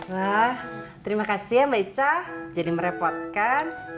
wah terima kasih ya mbak issa jangan merepotkan